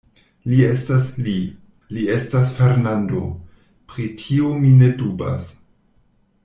Li estas Li; li estas Fernando; pri tio mi ne dubas.